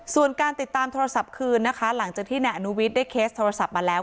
ส่วนการติดตามโทรศัพท์คืนนะคะหลังจากที่นายอนุวิทย์ได้เคสโทรศัพท์มาแล้ว